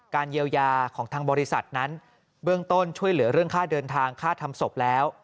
เยียวยาของทางบริษัทนั้นเบื้องต้นช่วยเหลือเรื่องค่าเดินทางค่าทำศพแล้ว